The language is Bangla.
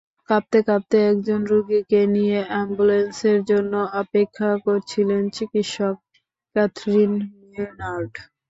কাঁপতে কাঁপতে একজন রোগীকে নিয়ে অ্যাম্বুলেন্সের জন্য অপেক্ষা করছিলেন চিকিৎসক ক্যাথরিন মেনার্ড।